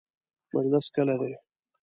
مجلس کله دی؟